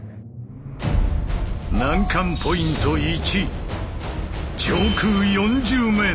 難関ポイント１。